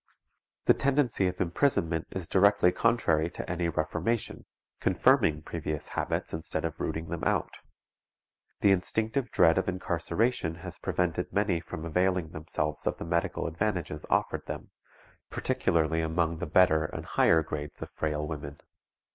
_ The tendency of imprisonment is directly contrary to any reformation, confirming previous habits instead of rooting them out. The instinctive dread of incarceration has prevented many from availing themselves of the medical advantages offered them, particularly among the better and higher grades of frail women.